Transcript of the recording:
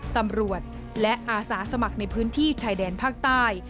ตำรวจและอาสาสมัครในพื้นที่ชายแดนภาคใต้